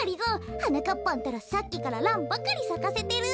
はなかっぱんったらさっきからランばかりさかせてる。